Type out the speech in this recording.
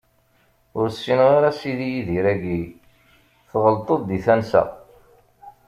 Ur ssineɣ ara Si Yidir-agi, tɣelṭeḍ di tansa.